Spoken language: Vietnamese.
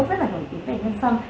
cũng rất là nổi tiếng về nhân xăm